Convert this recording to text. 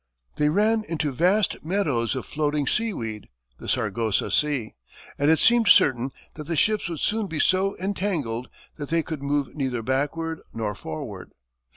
They ran into vast meadows of floating seaweed, the Sargasso Sea, and it seemed certain that the ships would soon be so entangled that they could move neither backward nor forward.